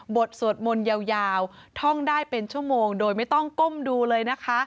สวดมนต์ยาวท่องได้เป็นชั่วโมงโดยไม่ต้องก้มดูเลยนะคะ